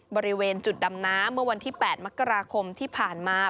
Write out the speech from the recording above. บริเวณจุดดำน้ำเมื่อวันที่๘มกราคมที่ผ่านมา